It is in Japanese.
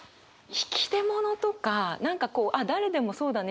「引出物」とか何かこう誰でもそうだね